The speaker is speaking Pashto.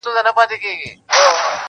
شکر وباسمه خدای ته په سجده سم,